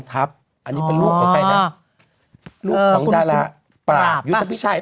อันนี้เป็นลูกของใครนะลูกของดาราปราบยุทธพิชัย